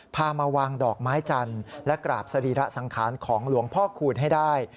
พามาวางดอกไม้จันทร์และกราบสรีระสังขารของหลวงพ่อคูณให้ได้